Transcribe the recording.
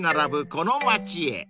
この街へ］